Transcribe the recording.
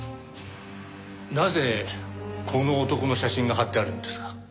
なぜこの男の写真が貼ってあるんですか？